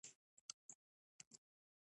ازادي راډیو د ټولنیز بدلون ستونزې راپور کړي.